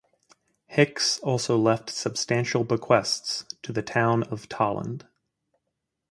Hicks also left substantial bequests to the Town of Tolland.